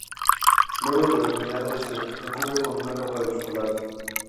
Luego de horneado, se le recubre con una capa de chocolate.